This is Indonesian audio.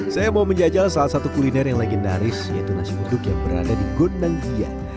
saya mau menjajal salah satu kuliner yang legendaris yaitu nasi uduk yang berada di gondang dia